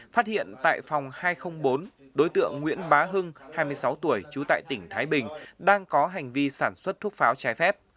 phát hiện tại phòng hai trăm linh bốn đối tượng nguyễn bá hưng hai mươi sáu tuổi trú tại tỉnh thái bình đang có hành vi sản xuất thuốc pháo trái phép